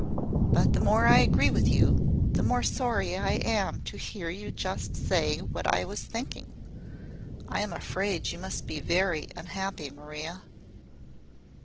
But the more I agree with you, the more sorry I am to hear you say just what I was thinking. I am afraid you must be very unhappy, Maria."